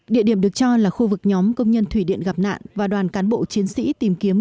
địa điểm được cho là khu vực nhóm công nhân thủy điện gặp nạn và đoàn cán bộ chiến sĩ tìm kiếm